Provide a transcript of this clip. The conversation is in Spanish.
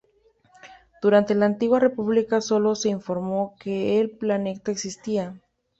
Durante la Antigua República sólo se informó que el planeta existía.